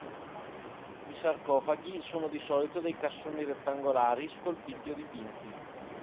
I sarcofaghi sono di solito dei cassoni rettangolari, scolpiti o dipinti.